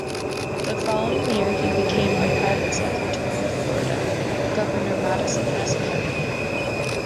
The following year, he became a private secretary of Florida Governor Madison S. Perry.